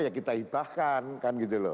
ya kita hibahkan kan gitu loh